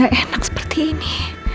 gak enak seperti ini